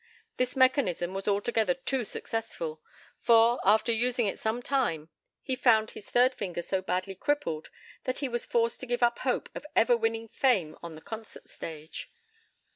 This mechanism was altogether too successful, for, after using it some time, he found his third finger so badly crippled that he was forced to give up hope of ever winning fame on the concert stage.